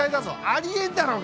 ありえんだろうが！